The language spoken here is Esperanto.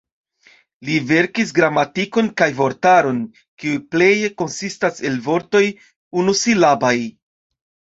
Li verkis gramatikon kaj vortaron, kiu pleje konsistas el vortoj unusilabaj.